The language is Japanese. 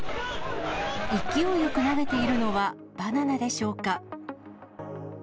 勢いよく投げているのは、バナナでしょうか。